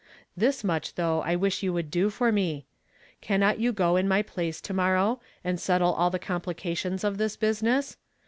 This much, though, I wish you would do for me. Cannot you go in my place to morrow, and settle all the complications of this business?